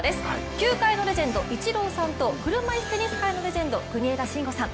球界のレジェンド・イチローさんとテニス界のレジェンド国枝慎吾さん。